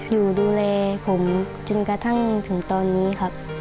อยู่ดูแลผมจนกระทั่งถึงตอนนี้ครับ